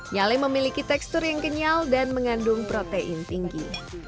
nyale memiliki tekstur yang kenyal dan mengandung protein tinggi